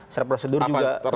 secara prosedur juga keberatan